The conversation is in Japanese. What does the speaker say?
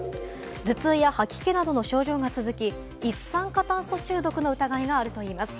頭痛や吐き気などの症状が続き、一酸化炭素中毒の疑いがあるといいます。